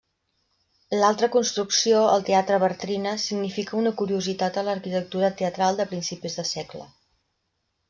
L'altra construcció, el Teatre Bartrina, significa una curiositat en l'arquitectura teatral de principis de segle.